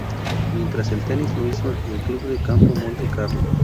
Mientras el tenis lo hizo en club de campo Monte Carlo.